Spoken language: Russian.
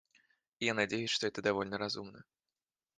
Я надеюсь, что это довольно разумно.